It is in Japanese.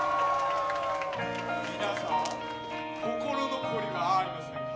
皆さん心残りはありませんか？